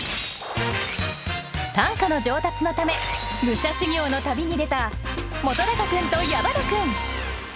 短歌の上達のため武者修行の旅に出た本君と矢花君。